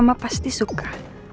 mama pasti suka